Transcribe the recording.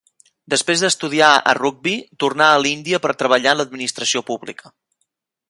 Després d'estudiar a Rugby tornà a l'Índia per treballar en l'administració pública.